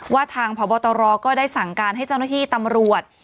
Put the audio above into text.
ว่าทางพบตรก็ได้สั่งการให้เจ้าหน้าที่ตำรวจ